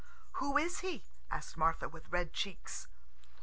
"Who is he?" asked Martha with red cheeks.